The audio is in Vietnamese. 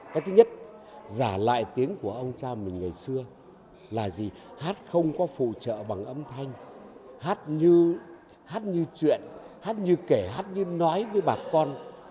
cái thứ nhất giả lại tiếng của ông cha mình ngày xưa là gì hát không có phụ trợ bằng âm thanh hát như hát như chuyện hát như kể hát như nói với bà con